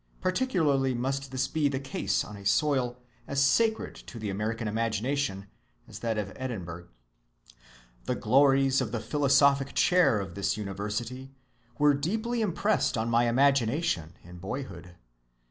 Particularly must this be the case on a soil as sacred to the American imagination as that of Edinburgh. The glories of the philosophic chair of this university were deeply impressed on my imagination in boyhood.